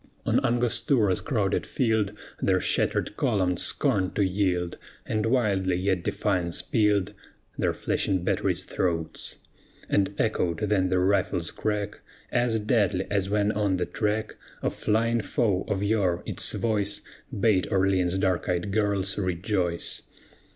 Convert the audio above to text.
On Angostura's crowded field Their shattered columns scorned to yield, And wildly yet defiance pealed Their flashing batteries' throats; And echoed then the rifle's crack, As deadly as when on the track Of flying foe, of yore, its voice Bade Orleans' dark eyed girls rejoice.